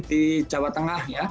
di jawa tengah ya